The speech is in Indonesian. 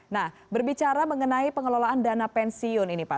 nah berbicara mengenai pengelolaan dana pensiun ini pak